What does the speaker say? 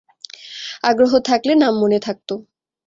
আগ্রহ থাকলে নাম মনে থাকত।